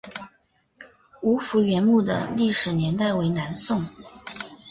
吴福源墓的历史年代为南宋。